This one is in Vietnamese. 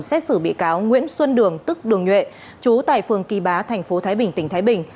xét xử bị cáo nguyễn xuân đường tức đường nhuệ chú tại phường kỳ bá thành phố thái bình tỉnh thái bình